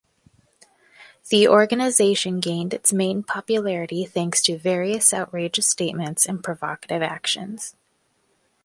The organization gained its main popularity thanks to various outrageous statements and provocative actions.